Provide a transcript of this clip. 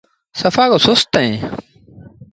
سڦآ ڪو سُست اهيݩ۔